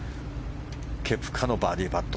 ケプカのバーディーパット。